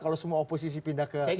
kalau semua oposisi pindah ke